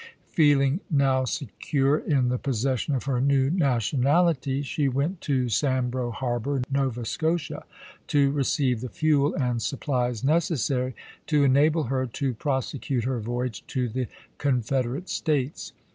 Feeling now secure in the possession of her new nationality, she went to Sambro Harbor, Nova Scotia, to receive the fuel and supplies necessary to enable her to prosecute her voyage to the Confederate States.